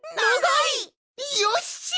いよっしゃ！